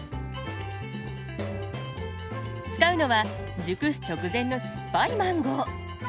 使うのは熟す直前の酸っぱいマンゴー。